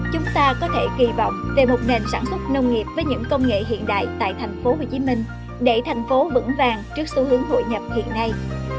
chúng ta có thể kỳ vọng về một nền sản xuất nông nghiệp với những công nghệ hiện đại tại thành phố hồ chí minh để thành phố vững vàng trước xu hướng hội nhập hiện nay